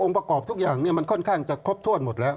ประกอบทุกอย่างมันค่อนข้างจะครบถ้วนหมดแล้ว